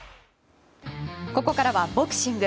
ここからはボクシング。